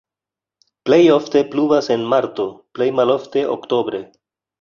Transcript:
Plej ofte pluvas en marto, plej malofte oktobre.